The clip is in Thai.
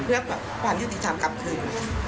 เพื่อความยุติธรรมกลับคืน